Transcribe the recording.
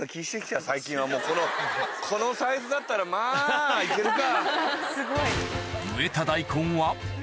このサイズだったらまぁいけるか。